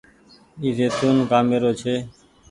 اي زيتونٚ ڪآمي رو ڇي۔